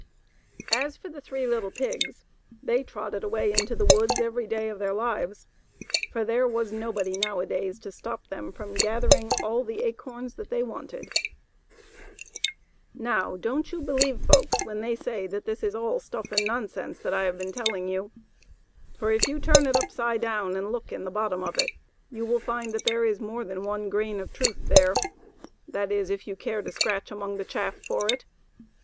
As for the three little pigs, they trotted away into the woods every day of their lives, for there was nobody nowadays to stop them from gathering all the acorns that they wanted. (|[r^e fl>sre fitUhsi f a^t t'n t\ft tofnbolxi . 2 Now, don't you believe folks when they say that this is all stuff and nonsense that I have been telling you ; for if you turn it upside down and look in the bottom of it you will find that there is more than one grain of truth there; that is if you care to scratch among the chaff for it.